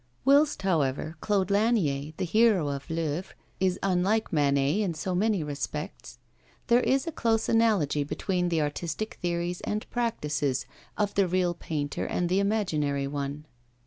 Whilst, however, Claude Lantier, the hero of L'Œuvre, is unlike Manet in so many respects, there is a close analogy between the artistic theories and practices of the real painter and the imaginary one.